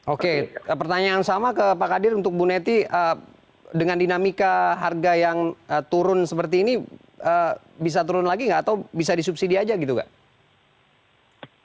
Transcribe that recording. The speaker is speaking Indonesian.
oke pertanyaan sama ke pak kadir untuk bu neti dengan dinamika harga yang turun seperti ini bisa turun lagi nggak atau bisa disubsidi aja gitu nggak